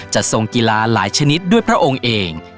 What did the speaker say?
ทรงกีฬาหลายชนิดด้วยพระองค์เอง